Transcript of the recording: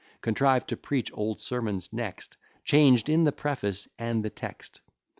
Contriv'd to preach old sermons next, Chang'd in the preface and the text.